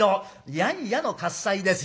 やんやの喝采ですよ。